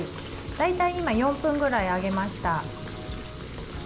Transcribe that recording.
大体、今４分ぐらい揚げました。